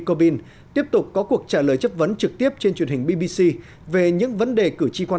corbyn tiếp tục có cuộc trả lời chất vấn trực tiếp trên truyền hình bbc về những vấn đề cử tri quan